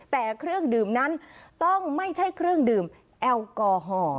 แต่เครื่องดื่มนั้นต้องไม่ใช่เครื่องดื่มแอลกอฮอล์